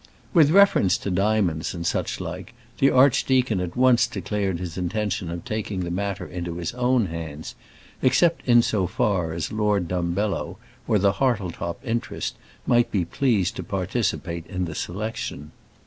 With reference to diamonds and such like, the archdeacon at once declared his intention of taking the matter into his own hands except in so far as Lord Dumbello, or the Hartletop interest, might be pleased to participate in the selection.